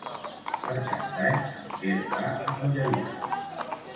Per Cap d'Any en Quer va a Mollerussa.